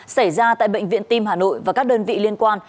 xảy ra tại bệnh viện tim hà nội và các đơn vị liên quan